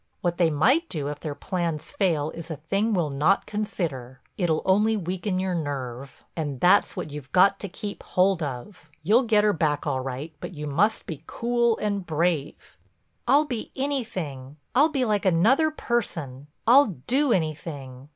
What they might do if their plans fail is a thing we'll not consider—it'll only weaken your nerve. And that's what you've got to keep hold of. You'll get her back all right, but you must be cool and brave." "I'll be anything; I'll be like another person. I'll do anything.